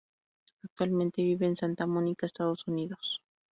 Actualmente vive en Santa Mónica, Estados Unidos.